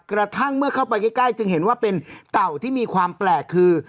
กระทั่งเมื่อเข้าไปใกล้จึงเห็นว่าเป็นเต่าที่มีความแปลกคือ